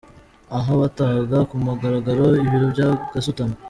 Aha batahaga ku mugaragaro Ibiro bya Gasutamo.